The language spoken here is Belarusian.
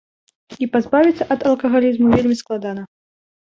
І пазбавіцца ад алкагалізму вельмі складана.